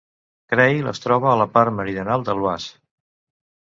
Creil es troba a la part meridional de l'Oise.